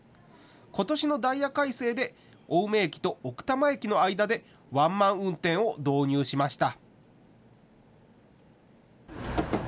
ことしのダイヤ改正で青梅駅と奥多摩駅の間でワンマン運転を導入しました。